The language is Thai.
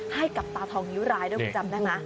ให้กับตาทองนิ้วรายด้วยคุณจำได้ไหม